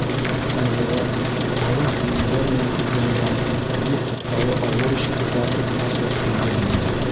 Айбулат ҡалын кейеҙҙәр менән көпләнгән еҙ тотҡалы ауыр ишекте тартып асып өйгә инде.